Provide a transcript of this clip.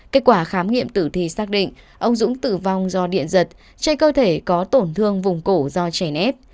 kết quả khám nghiệm tử thi xác định ông dũng tử vong do điện giật chạy cơ thể có tổn thương vùng cổ do chảy nếp